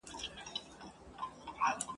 ریښتیا زوال نه لري ..